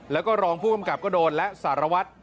แล้วก็รองผู้กำกับก็โดนและสารวัตร